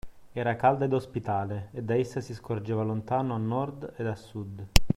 Era calda ed ospitale, e da essa si scorgeva lontano a Nord ed a Sud.